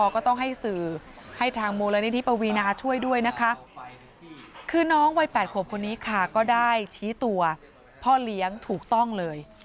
ก็ต้องให้สื่อให้ทางมูลนิธิปวีนาช่วยด้วยนะคะคือน้องวัย๘ขวบคนนี้ค่ะก็ได้ชี้ตัวพ่อเลี้ยงถูกต้องเลย